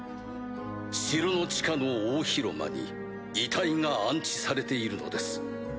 ・城の地下の大広間に遺体が安置されているのです。